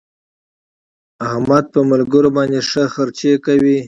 احمد په ملګرو باندې ښې خرڅې کوي.